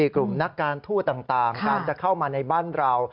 กลุ่มนักการทูตต่างการจะเข้ามาในบ้านเรา